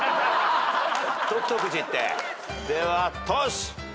ではトシ。